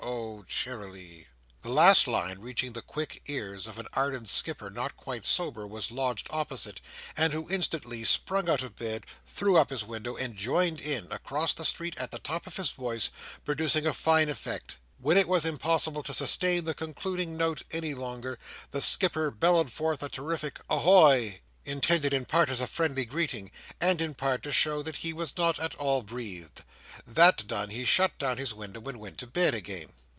Oh cheer i ly!" The last line reaching the quick ears of an ardent skipper not quite sober, who lodged opposite, and who instantly sprung out of bed, threw up his window, and joined in, across the street, at the top of his voice, produced a fine effect. When it was impossible to sustain the concluding note any longer, the skipper bellowed forth a terrific "ahoy!" intended in part as a friendly greeting, and in part to show that he was not at all breathed. That done, he shut down his window, and went to bed again.